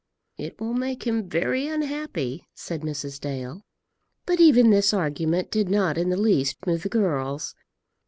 "It will make him very unhappy," said Mrs. Dale. But even this argument did not in the least move the girls.